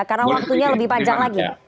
karena waktunya lebih panjang lagi